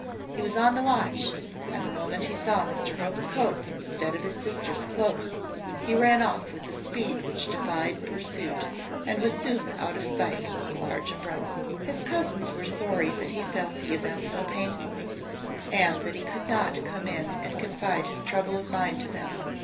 He was on the watch; and the moment he saw Mr Hope's coat instead of his sisters' cloaks, he ran off with a speed which defied pursuit, and was soon out of sight with the large umbrella. His cousins were sorry that he felt the event so painfully, and that he could not come in and confide his trouble of mind to them.